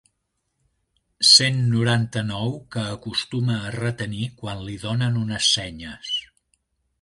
Cent noranta-nou que acostuma a retenir quan li donen unes senyes.